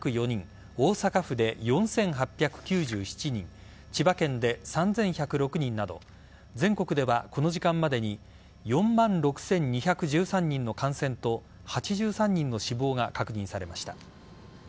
大阪府で４８９７人千葉県で３１０６人など全国ではこの時間までに４万６２１３人の感染と８３人の死亡が確認されました。